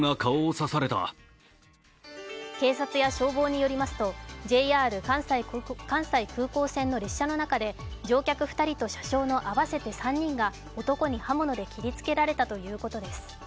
警察や消防によりますとＪＲ関西空港線の列車の中で乗客２人と車掌の合わせて３人が男に刃物で切りつけられたということです。